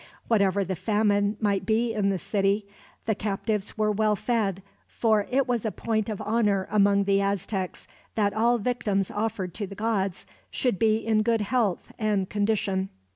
Whatever the famine might be in the city, the captives were well fed; for it was a point of honor, among the Aztecs, that all victims offered to the gods should be in good health and condition.